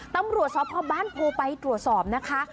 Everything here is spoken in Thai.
ตำรวจสพบ้านโพไปตรวจสอบนะคะ